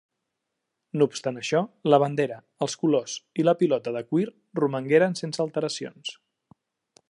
No obstant això, la bandera, els colors i la pilota de cuir romangueren sense alteracions.